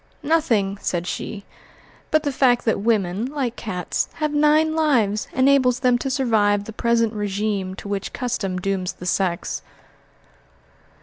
"Nothing," said she, "but the fact that women, like cats, have nine lives, enables them to survive the present régime to which custom dooms the sex."